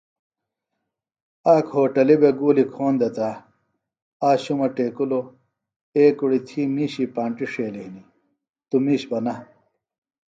آک ہوٹلیۡ بےۡ گُولیۡ کھون دےۡ تہ آک شُمہ ٹیکِلوۡ اے کُڑیۡ تھی مِیشی پانٹیۡ ݜیلیۡ ہنیۡ توۡ میش بہ نہ